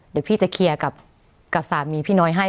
เดี๋ยวพี่จะเคลียร์กับสามีพี่น้อยให้